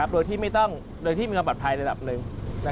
โดยที่มีความปลอดภัยระดับหนึ่ง